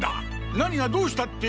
何がどうしたって？